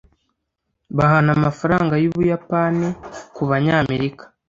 bahana amafaranga yubuyapani kubanyamerika